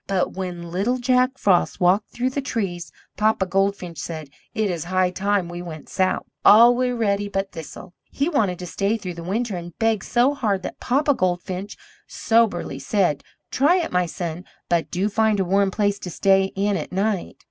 But when 'little Jack Frost walked through the trees,' Papa Goldfinch said: 'It is high time we went South!' All were ready but Thistle; he wanted to stay through the winter, and begged so hard that Papa Goldfinch soberly said: 'Try it, my son, but do find a warm place to stay in at night.'